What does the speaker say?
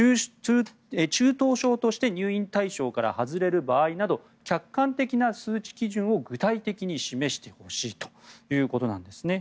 中等症として入院対象から外れる場合など客観的な数値基準を具体的に示してほしいということです。